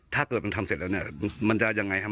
ถ้าเกิดมันทำเสร็จแล้วเนี่ยมันจะยังไงครับ